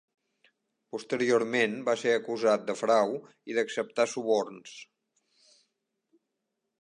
Posteriorment va ser acusat de frau i d'acceptar suborns.